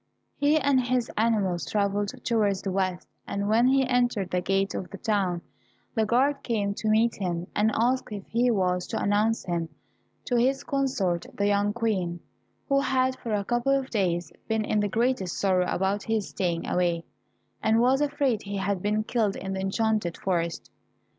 He and his animals travelled towards the west, and when he entered the gate of the town, the guard came to meet him, and asked if he was to announce him to his consort the young Queen, who had for a couple of days been in the greatest sorrow about his staying away, and was afraid he had been killed in the enchanted forest?